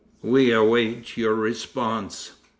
We await your response."